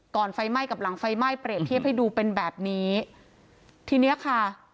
ไฟไหม้กับหลังไฟไหม้เปรียบเทียบให้ดูเป็นแบบนี้ทีเนี้ยค่ะ